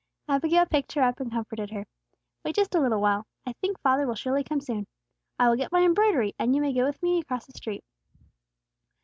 Abigail picked her up and comforted her. "Wait just a little while. I think father will surely come soon. I will get my embroidery, and you may go with me across the street."